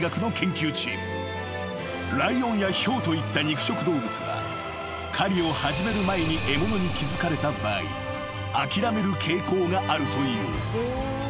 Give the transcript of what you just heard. ［ライオンやヒョウといった肉食動物は狩りを始める前に獲物に気付かれた場合諦める傾向があるという］